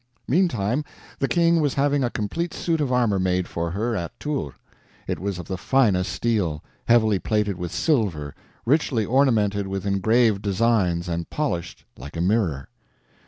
Meantime the King was having a complete suit of armor made for her at Tours. It was of the finest steel, heavily plated with silver, richly ornamented with engraved designs, and polished like a mirror.